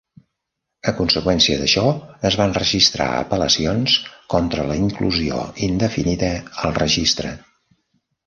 A conseqüència d'això, es van registrar apel·lacions contra la inclusió indefinida al registre.